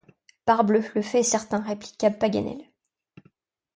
Parbleu! le fait est certain ! répliqua Paganel.